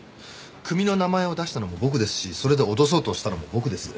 組の名前を出したのも僕ですしそれで脅そうとしたのも僕です。